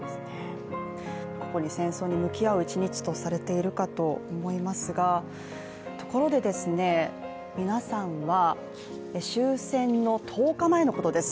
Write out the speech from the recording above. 個々に戦争に向き合う一日とされているかと思いますがところで皆さんは、終戦の１０日前のことです